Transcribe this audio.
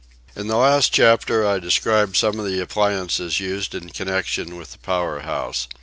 In the last chapter I described some of the appliances used in connection with the power house.